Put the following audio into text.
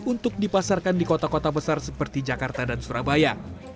untuk dipasarkan di kota kota besar seperti jakarta dan surabaya